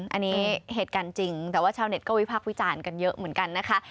อันนี้เหตุการณ์จริงแต่ว่าชาวเน็ตก็วิพักษ์วิจารณ์กันเยอะเหมือนกันนะคะ